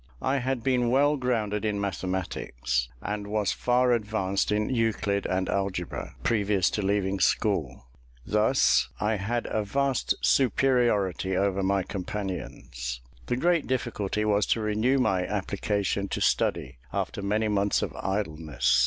I had been well grounded in mathematics, and was far advanced in Euclid and algebra, previous to leaving school: thus I had a vast superiority over my companions. The great difficulty was to renew my application to study, after many months of idleness.